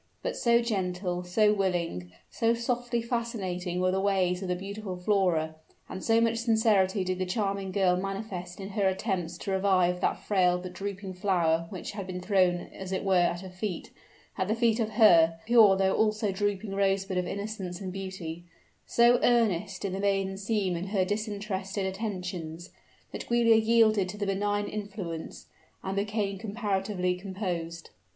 But so gentle, so willing, so softly fascinating were the ways of the beautiful Flora, and so much sincerity did the charming girl manifest in her attempts to revive that frail but drooping flower which had been thrown as it were at her feet; at the feet of her, a pure though also drooping rosebud of innocence and beauty: so earnest did the maiden seem in her disinterested attentions, that Giulia yielded to the benign influence, and became comparatively composed.